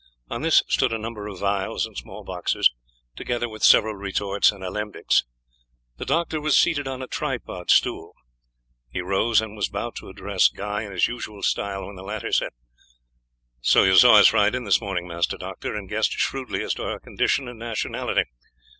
On this stood a number of phials and small boxes, together with several retorts and alembics. The doctor was seated on a tripod stool. He rose and was about to address Guy in his usual style, when the latter said: "So you saw us ride in this morning, Master Doctor, and guessed shrewdly as to our condition and nationality.